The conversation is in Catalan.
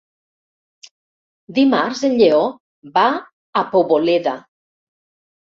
Dimarts en Lleó va a Poboleda.